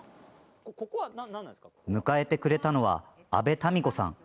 迎えてくれたのは阿部民子さん。